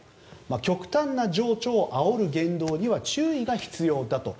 極端な情緒をあおる言動には注意が必要だと。